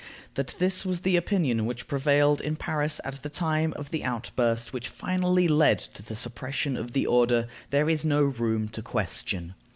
That this was the opinion which prevailed in Paris at the time of the outburst which finally led to the suppression of the order, there is no room to question.